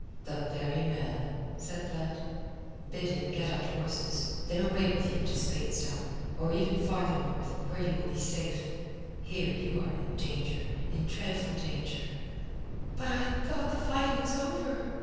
"The very man," said Blood. "Bid him get out horses. Then away with you to Speightstown, or even farther north, where you will be safe. Here you are in danger in dreadful danger." "But I thought the fighting was over..."